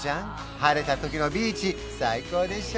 晴れたときのビーチ最高でしょ？